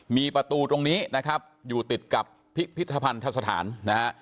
มีประตูตรงนี้นะครับอยู่ติดกับพิพิธภัณฑสถานนะฮะ